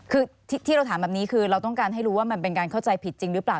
คือที่เราถามแบบนี้คือเราต้องการให้รู้ว่ามันเป็นการเข้าใจผิดจริงหรือเปล่า